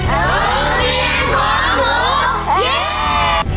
เออมีเกมก่อนหนู